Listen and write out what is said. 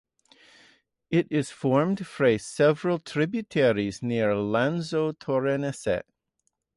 It is formed from several tributaries near Lanzo Torinese.